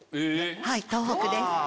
はい東北です。